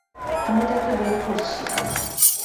আমি তাকে বের করছি।